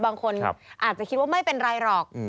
บางคนอาจจะคิดว่าไม่เป็นไรหรอก